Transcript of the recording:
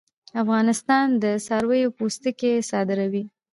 افغانستان د څارویو پوستکي صادروي